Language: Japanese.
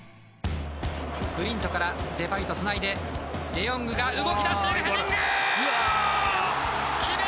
ブリントからデパイとつないでデヨングが動き出している。